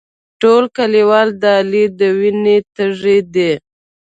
ټول کلیوال د علي د وینې تږي دي.